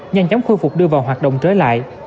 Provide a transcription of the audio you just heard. nhanh chóng khôi phục đưa vào hoạt động trở lại